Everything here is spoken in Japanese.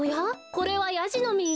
これはヤジの実。